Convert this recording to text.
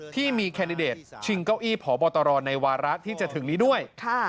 ที่มีแคนดิเดตชิงเก้าอี้พบตรในวาระที่จะถึงนี้ด้วย